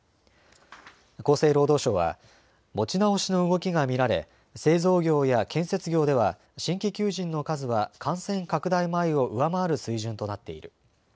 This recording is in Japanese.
厚生労働省は持ち直しの動きが見られ製造業や建設業では新規求人の数は感染拡大前を上回る水準となっている。